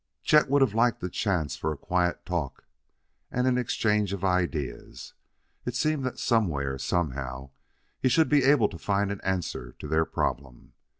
Chet would have liked a chance for a quiet talk and an exchange of ideas. It seemed that somewhere, somehow, he should be able to find an answer to their problem.